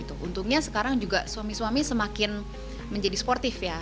untungnya sekarang juga suami suami semakin menjadi sportif ya